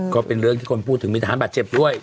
ก็เป็นเรื่องที่คนพูดถึงมีทหารบาดเจ็บด้วย